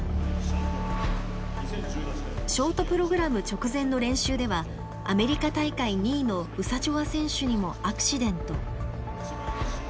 ショートプログラム直前の練習ではアメリカ大会２位のウサチョワ選手にもアクシデント。